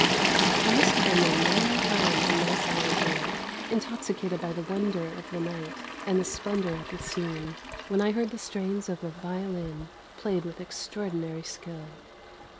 I must have been a long time in my solitude, intoxicated by the wonder of the night and the splendour of the scene, when I heard the strains of a violin, played with extraordinary skill.